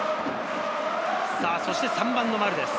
そして３番の丸です。